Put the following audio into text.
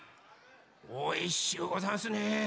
おいしゅうござんすね。